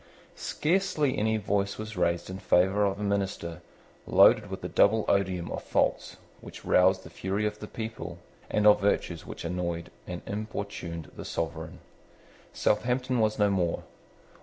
Scarcely any voice was raised in favour of a minister loaded with the double odium of faults which roused the fury of the people, and of virtues which annoyed and importuned the sovereign. Southampton was no more.